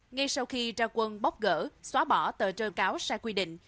ngay sau khi ra quân bóc gỡ xóa bỏ tờ rơi cáo sai quy định